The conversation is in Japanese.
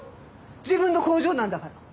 自分の工場なんだから。